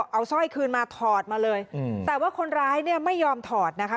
เอาสร้อยคืนมาถอดมาเลยแต่ว่าคนร้ายเนี่ยไม่ยอมถอดนะคะ